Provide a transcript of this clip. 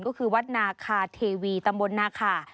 ก็คือวัดนาคาเทวีตำบลนาคา